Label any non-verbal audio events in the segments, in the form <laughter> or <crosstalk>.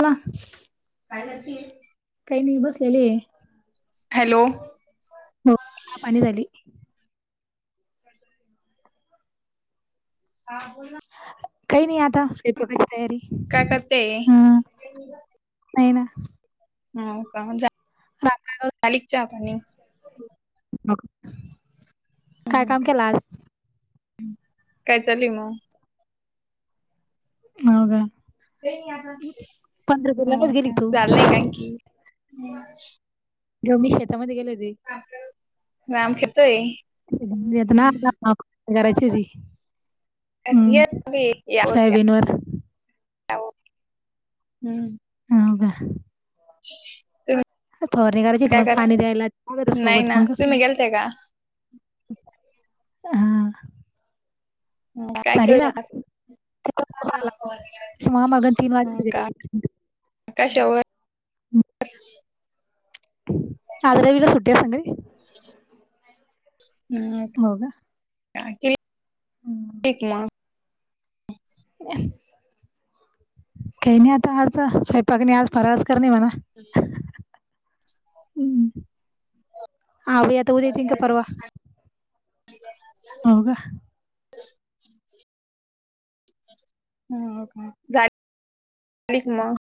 का काय करशील? काही नाही बसलेले आहे हॅलो हो, चहा पाणी झाली. हा बोल काही नाही आता सयंपाकाची तयारी, काय करते? हम नाही ना हो का, झा रात्र -झाली का चहा पाणी? मग काय काम केला आज? काय चाललंय म? हो, का? येईल आता, पंढरपूरलाच हो गेली का, तू चाललंय काय की ढो मी शेतामध्ये गेले होती <unintelligible> वेदना <unintelligible> हम्म, यावरती यावर साहिबीनवर <unintelligible> हम्म हाव का? <unintelligible> फवारणी करायची त काय मग कर पाणी द्यायला लागत नाही सोबत, ना मग कसंय? तुम्ही गेलते का? हा ह् काय झाली ना केऊया आताम् मग मग तीन वाजले का घरी. <unintelligible> कशा वर? <inaudible> अलावीला सुट्ट सां‌ <unintelligible> हम्. हो का. <inaudible> का एक म काही नाही आता आज स्वयंपाकनी आज फराळच करणे म्हणा. अ् <inaudible> हम् आ. <inaudible> त उद्या येतील का परवा हो गं. <inaudible> ह् म <unintelligible>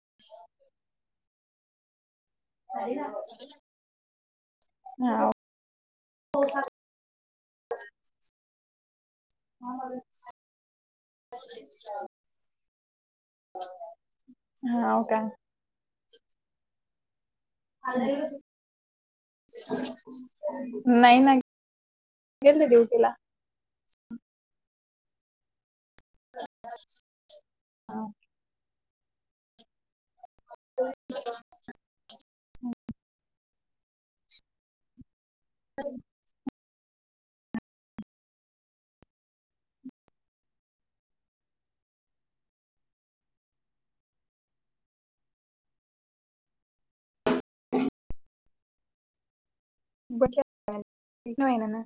<inaudible> अर <unintelligible> हा. हा <unintelligible> हा हो का. आल. नाही नाही गेलते ड्युटी ला. हा. हम. हो. बघतल पाहिलं नां.